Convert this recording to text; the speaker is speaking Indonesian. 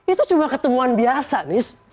itu cuma ketemuan biasa nih